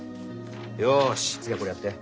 よし次はこれやって。